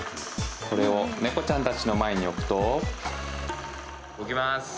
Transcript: これをネコちゃんたちの前に置くと置きます